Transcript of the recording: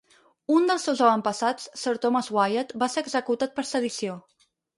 Un dels seus avantpassats, Sir Thomas Wyatt, va ser executat per sedició.